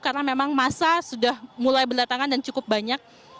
karena memang masa sudah mulai berdatangan dan cukup banyak